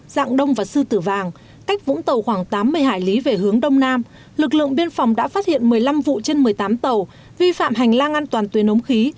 dạng đông và sư tử vàng cách vũng tàu khoảng tám mươi hải lý về hướng đông nam lực lượng biên phòng đã phát hiện một mươi năm vụ trên một mươi tám tàu vi phạm hành lang an toàn tuyến ống khí